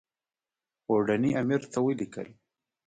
اوډني امیر ته ولیکل.